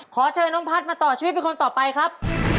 ขอเชิญน้องพัฒน์มาต่อชีวิตเป็นคนต่อไปครับ